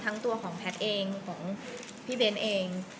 ทั้งตัวของแพทย์เองของพี่เบนท์เอง